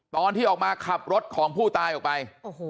ตอนที่ออกมาขับรถของผู้ตายออกไป